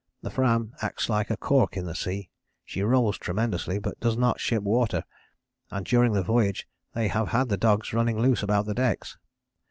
The Fram acts like a cork in the sea; she rolls tremendously but does not ship water, and during the voyage they have had the dogs running loose about the decks.